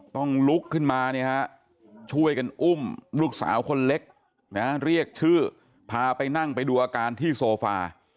ต้องลุกขึ้นมาช่วยกันอุ้มลูกสาวคนเล็กนะเรียกชื่อพาไปนั่งไปดูอาการที่โซฟา